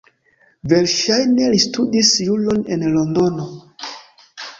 Verŝajne li studis juron en Londono.